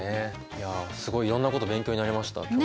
いやすごいいろんなこと勉強になりました今日。